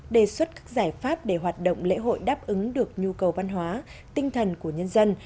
đề xuất các giải pháp để hoạt động lễ hội đáp ứng được nhu cầu văn hóa tinh thần của nhân dân